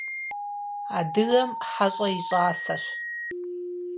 Адыгэм хьэщӀэ и щӀасэщ.